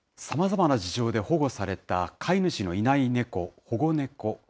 さまざまな事情で保護された飼い主のいない猫、保護猫。